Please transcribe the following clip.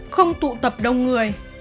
không tụ tập đông người